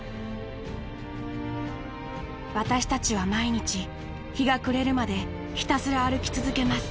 私たちは毎日日が暮れるまでひたすら歩き続けます。